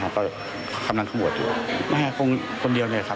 ก็คำนั้นข้างหลังหมดอยู่ไม่แค่คนเดียวเลยครับ